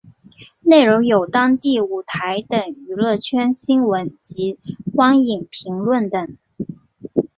内容有当地舞台等娱乐圈新闻及观影评论等。